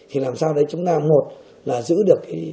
thì làm sao để chúng ta một là giữ được